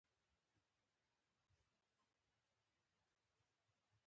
افغانستان تر هغو نه ابادیږي، ترڅو انټرنیټ چټک نشي.